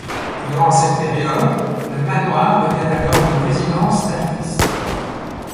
Durant cette période, le manoir devient alors une résidence d'artiste.